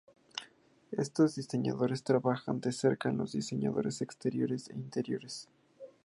Estos diseñadores trabajan de cerca con los diseñadores exteriores e interiores.